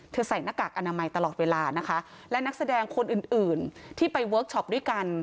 ใส่หน้ากากอนามัยตลอดเวลานะคะและนักแสดงคนอื่นอื่นที่ไปเวิร์คชอปด้วยกัน